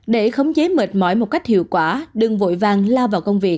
để khống chế mệt mỏi một cách hiệu quả đừng vội vàng lao vào công việc